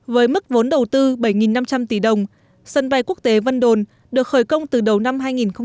với mức vốn đầu tư bảy năm trăm linh tỷ đồng sân bay quốc tế vân đồn được khởi công từ đầu năm hai nghìn một mươi